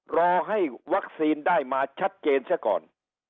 รอให้วัคซีนได้มาชัดเจนเสียก่อน